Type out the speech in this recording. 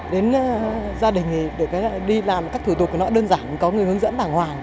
đến gia đình thì được cái đi làm các thủ tục của nó đơn giản có người hướng dẫn đàng hoàng